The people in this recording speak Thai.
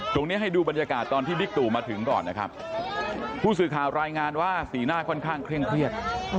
ให้ดูบรรยากาศตอนที่บิ๊กตู่มาถึงก่อนนะครับผู้สื่อข่าวรายงานว่าสีหน้าค่อนข้างเคร่งเครียด